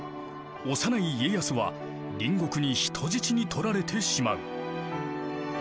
幼い家康は隣国に人質にとられてしまう。